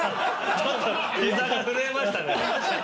ちょっとひざが震えましたね